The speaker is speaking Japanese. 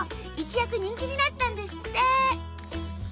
一躍人気になったんですって。